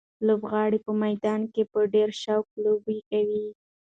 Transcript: لوبغاړي په میدان کې په ډېر شوق لوبې کوي.